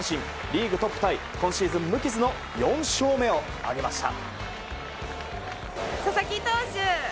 リーグトップタイ、今シーズン無傷の４勝目を挙げました。